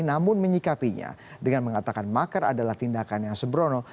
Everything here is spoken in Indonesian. namun menyikapinya dengan mengatakan makar adalah tindakan yang sembrono